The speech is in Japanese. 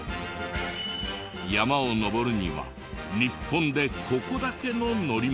山をのぼるには日本でここだけの乗り物が。